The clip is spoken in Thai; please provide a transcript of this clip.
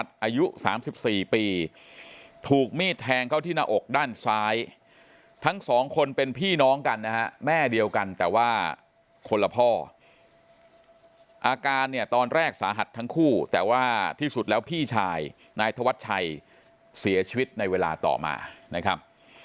สายทั้งสองคนเป็นพี่น้องกันนะแม่เดียวกันแต่ว่าคนละพ่ออาการเนี่ยตอนแรกสาหัสทั้งคู่แต่ว่าที่สุดแล้วพี่ชายนายธวัตรชัยเสียชีวิตในเวลาต่อมานะครับ